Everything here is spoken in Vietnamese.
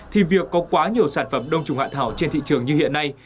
thì việc có quá nhiều sản phẩm đông trùng hạ thảo trên thị trường như hiện nay